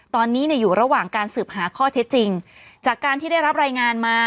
ตอนนี้เนี่ยอยู่ระหว่างการสืบหาข้อเท็จจริงจากการที่ได้รับรายงานมา